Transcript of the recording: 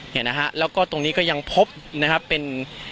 เนี่ยนะฮะแล้วก็ตรงนี้ก็ยังพบนะครับเป็น